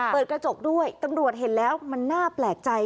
เปิดกระจกด้วยตำรวจเห็นแล้วมันน่าแปลกใจ